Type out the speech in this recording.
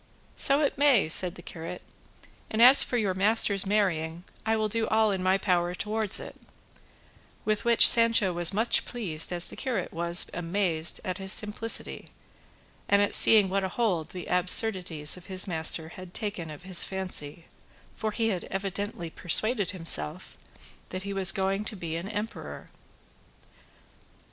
"So it may," said the curate; "and as for your master's marrying, I will do all in my power towards it:" with which Sancho was as much pleased as the curate was amazed at his simplicity and at seeing what a hold the absurdities of his master had taken of his fancy, for he had evidently persuaded himself that he was going to be an emperor.